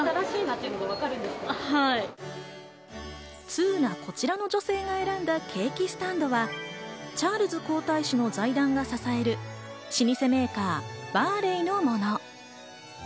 通なこちらの女性が選んだケーキスタンドは、チャールズ皇太子の財団が支える老舗メーカー、バーレイのもの。